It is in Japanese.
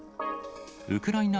ウクライナ